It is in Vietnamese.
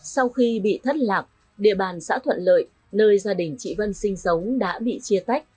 sau khi bị thất lạc địa bàn xã thuận lợi nơi gia đình chị vân sinh sống đã bị chia tách